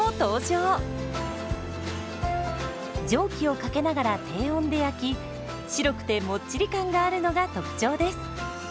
蒸気をかけながら低温で焼き白くてもっちり感があるのが特徴です。